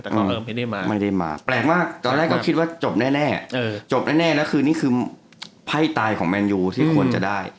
แต่ก็ไม่ได้มาไม่ได้มาแปลกมากตอนแรกก็คิดว่าจบแน่จบแน่แล้วคือนี่คือไพ่ตายของแมนยูที่ควรจะได้